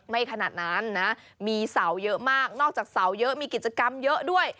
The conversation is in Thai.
ขนาดนั้นนะมีเสาเยอะมากนอกจากเสาเยอะมีกิจกรรมเยอะด้วย